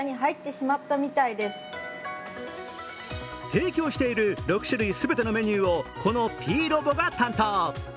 提供している６種類全てのメニューを、このＰ−Ｒｏｂｏが担当。